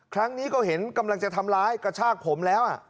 ครั้งนี้ก็เห็นกำลังจะทำร้ายกระชากผมแล้ว